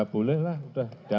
ya bolehlah udah